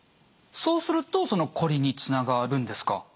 そうするとこりにつながるんですか？